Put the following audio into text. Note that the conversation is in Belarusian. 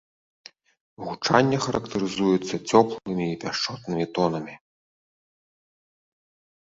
Гучанне характарызуецца цёплымі і пяшчотнымі тонамі.